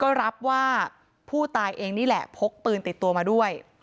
ก็รับว่าผู้ตายเองนี่แหละพกปืนติดตัวมาด้วย